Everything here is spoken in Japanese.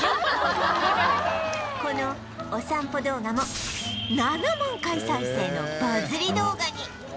このお散歩動画も７万回再生のバズり動画に